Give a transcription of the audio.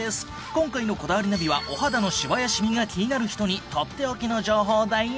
今回の『こだわりナビ』はお肌のシワやシミが気になる人にとっておきの情報だよ。